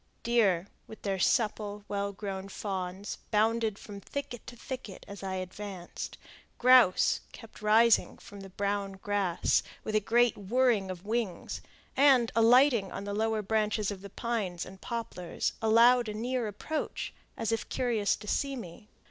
Deer, with their supple, well grown fawns, bounded from thicket to thicket as I advanced; grouse kept rising from the brown grass with a great whirring of wings, and, alighting on the lower branches of the pines and poplars, allowed a near approach, as if curious to see me.